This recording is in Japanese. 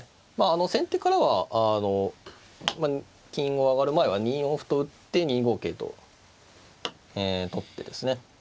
先手からは金を上がる前は２四歩と打って２五桂とえ取ってですね